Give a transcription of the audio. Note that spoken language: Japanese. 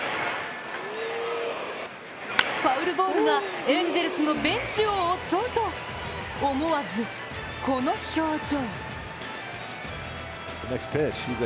ファウルボールがエンゼルスのベンチを襲うと思わずこの表情。